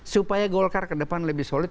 supaya golkar ke depan lebih solid